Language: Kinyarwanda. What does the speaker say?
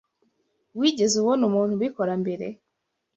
Wigeze ubona umuntu ubikora mbere?